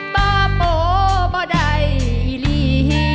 ป่าป่อป่าใดอีหลี